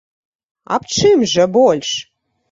Аб чым жа больш?